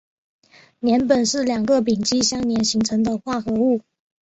联苯是两个苯基相连形成的化合物。